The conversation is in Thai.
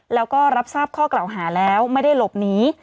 แล้วก็รับทราบข้อกล่าวหาแล้วไม่ได้หลบหนี